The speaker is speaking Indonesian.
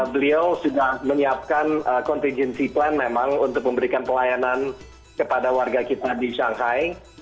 beliau sudah menyiapkan contingency plan memang untuk memberikan pelayanan kepada warga kita di shanghai